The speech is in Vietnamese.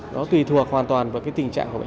đó tùy thuộc hoàn toàn vào cái tình hình bệnh nhân nặng